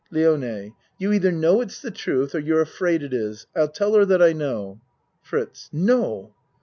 LIONE You either know it's the truth or you're afraid it is. I'll tell her that I know. FRITZ No.